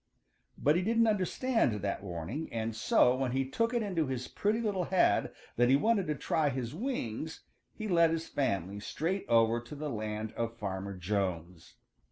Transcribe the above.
But he didn't understand that warning, and so when he took it into his pretty little head that he wanted to try his wings he led his family straight over to the land of Farmer Jones.